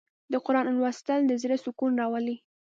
د قرآن لوستل د زړه سکون راولي.